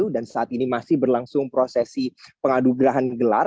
dan saat ini masih berlangsung prosesi penganugerahan gelar